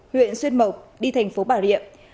huyện xuyên mộc đi thành phố bảo lệ vũng tàu